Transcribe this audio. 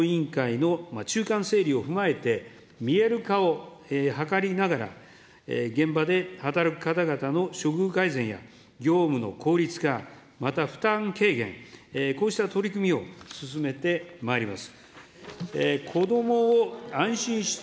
今後も公的評価検討委員会の中間整理を踏まえて、見える化を図りながら、現場で働く方々の処遇改善や、業務の効率化、また負担軽減、こうした取り組みを進めてまいります。